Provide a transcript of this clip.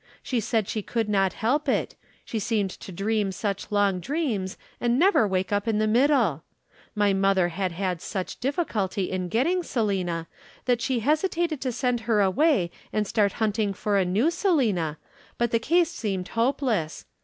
She said she could not help it, she seemed to dream such long dreams and never wake up in the middle. My mother had had such difficulty in getting Selina that she hesitated to send her away and start hunting for a new Selina, but the case seemed hopeless.